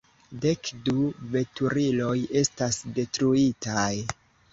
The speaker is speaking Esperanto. Dek du veturiloj estas detruitaj.